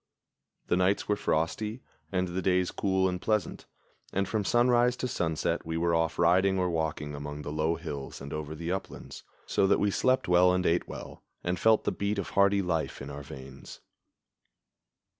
The nights were frosty, and the days cool and pleasant, and from sunrise to sunset we were off riding or walking among the low hills and over the uplands, so that we slept well and ate well, and felt the beat of hardy life in our veins.